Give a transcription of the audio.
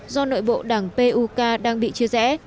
do nội bộ đảng puk đang bị chia rẽ